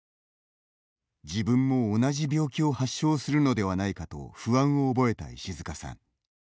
自分も同じ病気を発症するのではないかと不安を覚えた石塚さん。